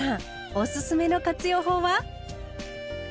おすすめの活用法は？